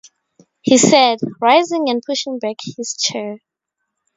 he said, rising and pushing back his chair.